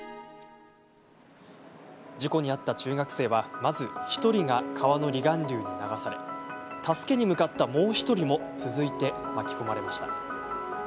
事故に遭った中学生はまず１人が川の離岸流に流され助けに向かった、もう１人も続いて巻き込まれました。